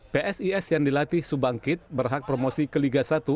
psis yang dilatih subangkit berhak promosi ke liga satu